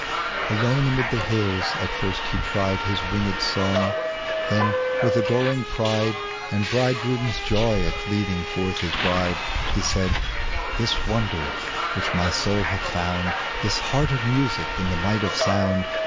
Alone amid the hills at first he tried His winged song ; then with adoring pride And bridegroom's joy at leading forth his bride, He said, " This wonder which my soul hath found, This heart of music in the might of sound.